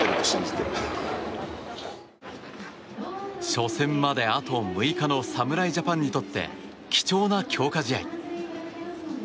初戦まであと６日の侍ジャパンにとって貴重な強化試合。